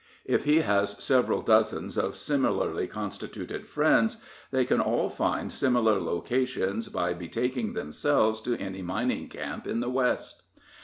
If he has several dozens of similarly constituted friends, they can all find similar locations by betaking themselves to any mining camp in the West.